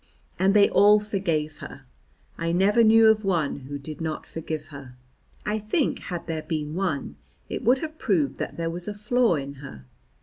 And they all forgave her; I never knew of one who did not forgive her; I think had there been one it would have proved that there was a flaw in her.